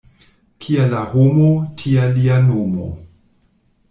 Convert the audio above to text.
Kia la homo, tia lia nomo.